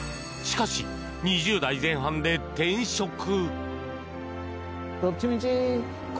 しかし、２０代前半で転職。